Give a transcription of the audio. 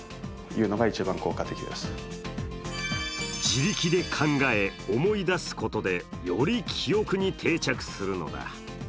自力で考え、思い出すことでより記憶に定着するのだ。